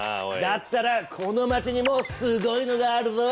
だったらこの町にもすごいのがあるぞ。